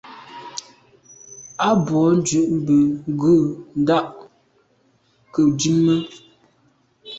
A bwô ndù be ghù ndà ke ndume.